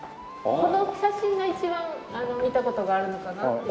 この写真が一番見た事があるのかなと。